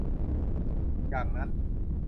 อย่างนั้น